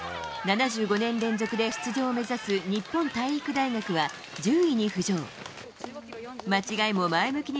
７５年連続で出場を目指す日本体育大学は、１０位に浮上。